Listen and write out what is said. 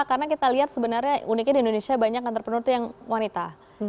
karena kita lihat sebenarnya uniknya di indonesia banyak entrepreneur itu yang wanita